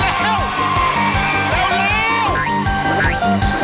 เอาเร็วเร็วเร็ว